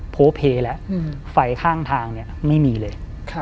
โพเพแล้วไฟข้างทางเนี่ยไม่มีเลย